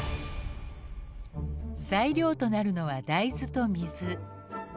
材料となるのは大豆と水。